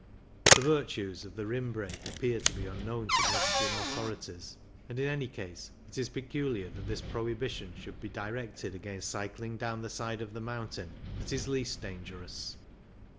The virtues of the rim brake appear to be un known to the Austrian authorities, and in any case it is peculiar that this prohibition should be directed against cycling down the side of the mountain that is least dan gerous.